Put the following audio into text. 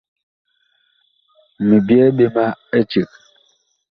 Mi byɛɛ ɓe ma eceg.